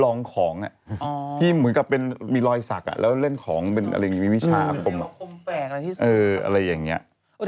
ลองของอะที่เหมือนกับมีรอยสักอะแล้วเล่นของเป็นอะไรอย่างงี้มีวิชาปมแปลกอะไรที่สุด